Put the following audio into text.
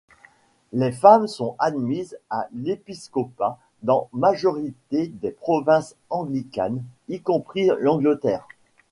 Les femmes sont admises à l'épiscopat dans majorité des provinces anglicanes y compris l'Angleterre.